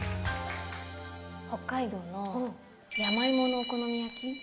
北海道の長芋のお好み焼き。